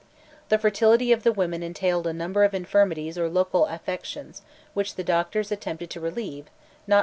The fertility of the women entailed a number of infirmities or local affections which the doctors attempted to relieve, not always with success.